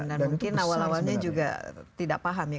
dan mungkin awal awalnya juga tidak paham ya